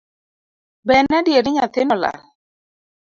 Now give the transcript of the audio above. Be en adier ni nyathino olal